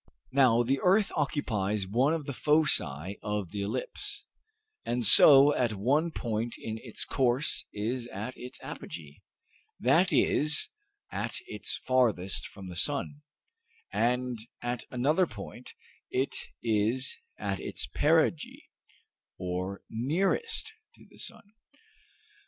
Now, the earth occupies one of the foci of the ellipse, and so at one point in its course is at its apogee, that is, at its farthest from the sun, and at another point it is at its perigee, or nearest to the sun.